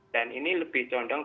dan ini lebih condong